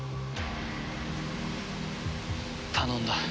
頼んだ。